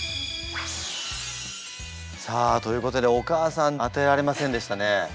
さあということでお母さん当てられませんでしたね。